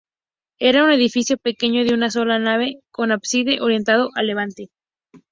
Era un edificio pequeño, de una sola nave con ábside orientado a levante.